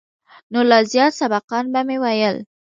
نو لا زيات سبقان به مې ويل.